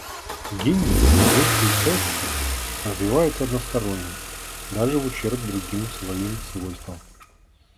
Гении большею частью развиваются односторонне, даже в ущерб другим своим свойствам.